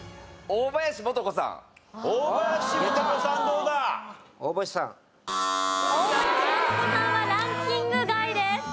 大林素子さんはランキング外です。